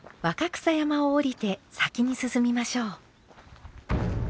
若草山を下りて先に進みましょう。